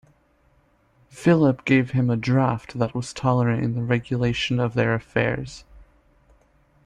Philip gave him a draft that was tolerant in the regulation of their affairs.